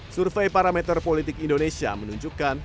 survei parameter politik indonesia menunjukkan